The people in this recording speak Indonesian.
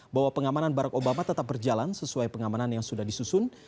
bahwa pengamanan barack obama tetap berjalan sesuai pengamanan yang sudah disusun